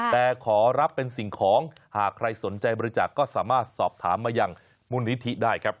แต่ขอรับเป็นสิ่งของหากใครสนใจบริจาคก็สามารถสอบถามมาอย่างมูลนิธิได้ครับ